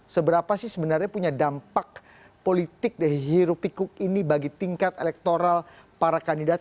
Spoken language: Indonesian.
seberapa sih sebenarnya punya dampak politik dari hirup pikuk ini bagi tingkat elektoral para kandidat